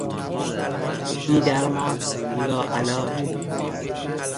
بیدرمان، لاعلاج